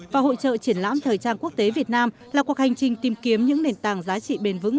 và hội trợ triển lãm thời trang quốc tế việt nam là cuộc hành trình tìm kiếm những nền tảng giá trị bền vững